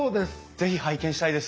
是非拝見したいです！